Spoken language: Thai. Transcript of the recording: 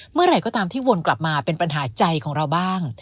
เมื่อไหร่ก็ตามที่วนกลับมาเป็นปัญหาใจของเราบ้าง